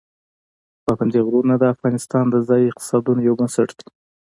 پابندي غرونه د افغانستان د ځایي اقتصادونو یو بنسټ دی.